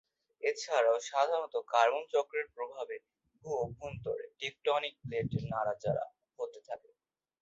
এছাড়াও সাধারণত কার্বন চক্রের প্রভাবে ভূ-অভ্যন্তরে টেকটনিক প্লেটের নড়াচড়া হতে থাকে।